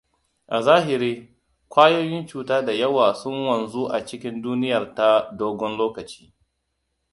A zahiri, ƙwayoyin cuta da yawa sun wanzu a cikin duniyar ta dogon lokaci.